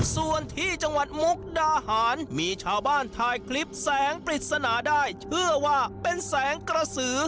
ส่วนที่จังหวัดมุกดาหารมีชาวบ้านถ่ายคลิปแสงปริศนาได้เชื่อว่าเป็นแสงกระสือ